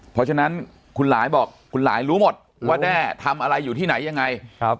เพราะฉะนั้นคุณหลายบอกคุณหลายรู้หมดว่าแด้ทำอะไรอยู่ที่ไหนยังไง